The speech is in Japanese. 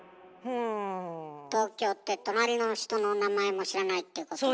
東京って隣の人の名前も知らないっていうこともない？